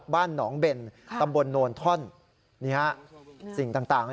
บ้านหนองเบ่นค่ะตำบลโนท่อนนี่ฮะสิ่งต่างต่าง